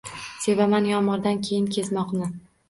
Sevaman yomg’irdan keyin kezmoqni